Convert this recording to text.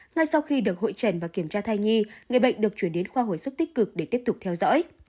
ngay sau khi được hội trần và kiểm tra thai nhi người bệnh được chuyển đến khoa hồi sức tích cực để tiếp tục theo dõi